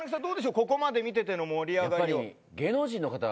ここまで見てて、盛り上がりは。